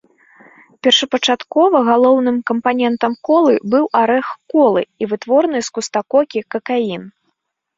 Першапачаткова галоўным кампанентам колы быў арэх колы і вытворны з куста кокі какаін.